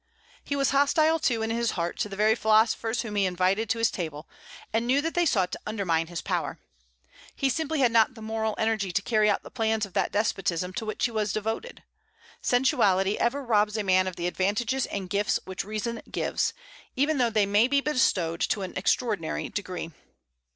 He was hostile too, in his heart, to the very philosophers whom he invited to his table, and knew that they sought to undermine his power. He simply had not the moral energy to carry out the plans of that despotism to which he was devoted. Sensuality ever robs a man of the advantages and gifts which reason gives, even though they may be bestowed to an extraordinary degree.